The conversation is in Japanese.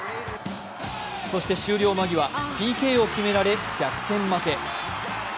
そして終了間際、ＰＫを決められ逆転負け。